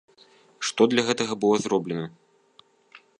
Што для гэтага было зроблена?